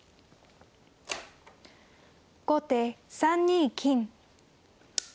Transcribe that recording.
後手３二金。